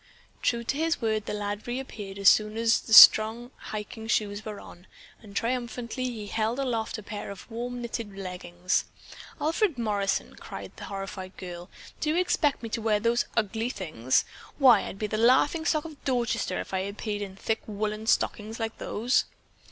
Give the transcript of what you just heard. True to his word, the lad reappeared as soon as the strong hiking shoes were on, and triumphantly he held aloft a pair of warm knitted leggins. "Alfred Morrison," cried the horrified girl, "do you expect me to wear those ugly things? Why, I'd be the laughing stock of Dorchester if I appeared in thick woolen stockings like those."